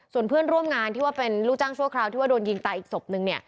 ส่วนเพื่อนร่วมงานที่ว่าเป็นลูกจ้างชั่วคราวที่ว่าโดนยิงตายอีกศพนึง